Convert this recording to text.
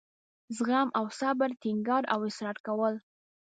زغم او صبر ټینګار او اصرار کول.